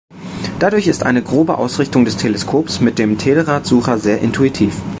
Dadurch ist eine grobe Ausrichtung des Teleskops mit dem Telrad-Sucher sehr intuitiv.